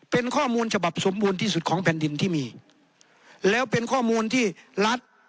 เป็นข้อมูลฉบับสมบูรณ์ที่สุดของแผ่นดินที่มีแล้วเป็นข้อมูลที่รัฐ